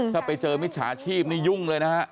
ถ้าไปเจอมิจฉาชีพนี่ยุ่งเลยนะฮะ